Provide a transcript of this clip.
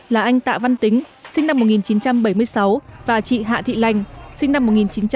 là anh tạ văn tính sinh năm một nghìn chín trăm bảy mươi sáu và chị hạ thị lành sinh năm một nghìn chín trăm tám mươi